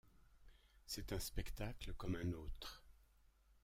C’est un spectacle comme un autre.